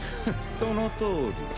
そのとおり。